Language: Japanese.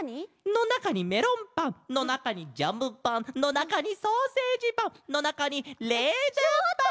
のなかにメロンパンのなかにジャムパンのなかにソーセージパンのなかにレーズンパン！